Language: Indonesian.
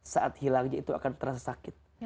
saat hilangnya itu akan terasa sakit